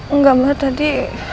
enggak mah tadi